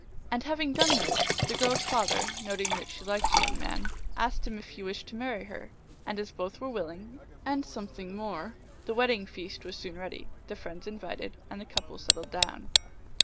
And having done this, the girl s father, noting that she liked the young man, asked him if he wished to marry her ; and as both were willing, and something more, the wedding feast was soon ready, the friends invited, and the couple settled down.